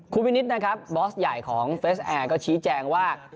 คุณวินิตนะครับบอสใหญ่ของเฟสแอร์ก็ชี้แจงว่า